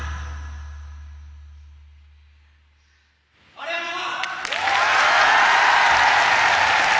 ありがとう！